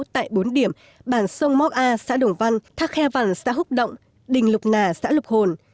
tại bốn điểm bản sông móc a xã đồng văn thác khe vằn xã húc động đình lục nà xã lục hồn